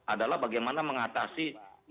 adalah bagaimana mengatasi